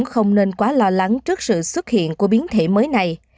bà con không nên quá lo lắng trước sự xuất hiện của biến thể mới này